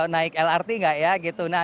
naik lrt nggak ya gitu nah